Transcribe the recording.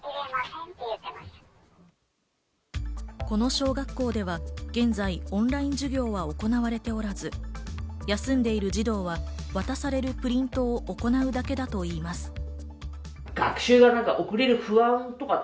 この小学校では現在、オンライン授業は行われておらず、休んでいる児童は渡されるプリントを行うだけだといいます。